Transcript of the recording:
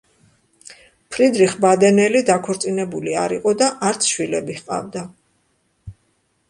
ფრიდრიხ ბადენელი დაქორწინებული არ იყო და არც შვილები ჰყავდა.